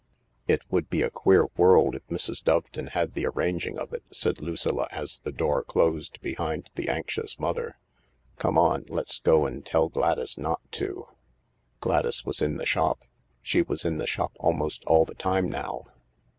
" It would be a queer world if Mrs. Doveton had the arranging of it," said Lucilla as the door closed behind the anxious mother. " Come on, let's go and tell Gladys not to." Gladys was in the shop ; she was in the shop almost all the time now.